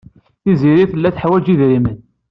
Tiziri tella teḥwaj idrimen.